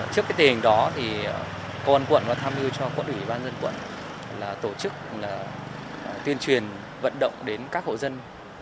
trước tình hình đó công an quận đã tham dự cho quận ủy ban dân quận là tổ chức tuyên truyền vận động đến các hộ dân